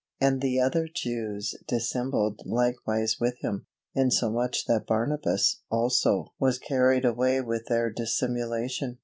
And the other Jews dissembled likewise with him; insomuch that Barnabas also was carried away with their dissimulation.